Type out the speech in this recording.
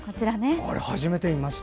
初めて見ました。